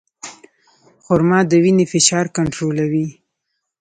خرما د وینې فشار کنټرولوي.